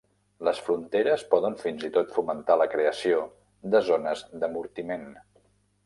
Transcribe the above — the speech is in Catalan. Les fronteres poden fins i tot fomentar la creació de zones d'amortiment.